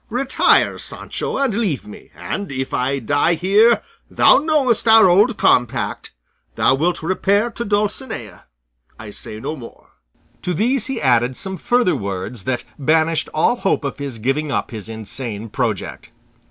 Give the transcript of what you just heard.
Retire, Sancho, and leave me; and if I die here thou knowest our old compact; thou wilt repair to Dulcinea I say no more." To these he added some further words that banished all hope of his giving up his insane project.